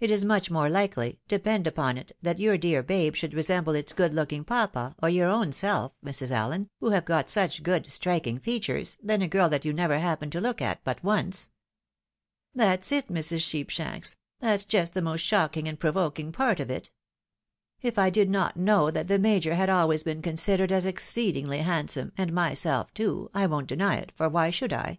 It is much more likely, depend upon it, that your dear babe should resemble its good looking papa, or your own self, Mrs. AUen, who have got such good, striking features, than a girl that you never happened to look at but once." " That's it, Mrs. Sheepshanks — ^that's just the most shocking and provoking part of it. K I did not know that the Major had always been considered as exceedingly handsome, and my self too — ^I won't deny it, for why should I